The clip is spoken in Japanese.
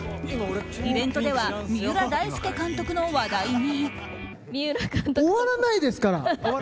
イベントでは三浦大輔監督の話題に。